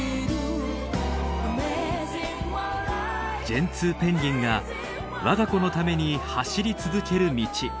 ジェンツーペンギンが我が子のために走り続ける道。